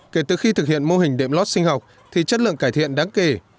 kể từ khi thực hiện mô hình đệm lót sinh học thì chất lượng cải thiện đáng kể